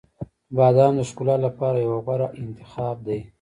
• بادام د ښکلا لپاره یو غوره انتخاب دی.